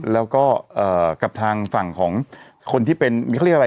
แล้วก็กับทางฝั่งของคนที่เป็นเขาเรียกอะไร